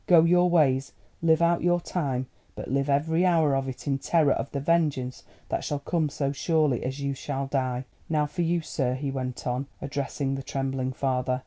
Go your ways; live out your time; but live every hour of it in terror of the vengeance that shall come so surely as you shall die. "Now for you, sir," he went on, addressing the trembling father.